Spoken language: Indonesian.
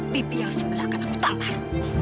bibi yang sebelah akan aku tampar